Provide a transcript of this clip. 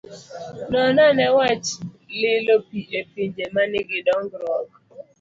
Non ane wach lilo pi e pinje ma nigi dongruok.